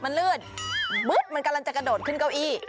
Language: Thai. มันลืดบึ๊ดมันกำลังจะกระโดดขึ้นเก้าอี้